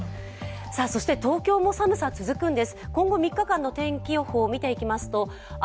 そして東京も寒さ続くんです。